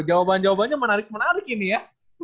jawaban jawabannya menarik menarik ini ya